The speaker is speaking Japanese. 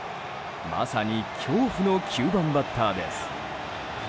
まさに恐怖の９番バッターです。